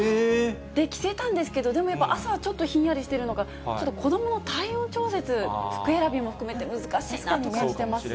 着せたんですけど、でもやっぱ、朝はちょっとひんやりしてるのか、ちょっと子どもの体温調節、服選びも含めて難しいと感じています。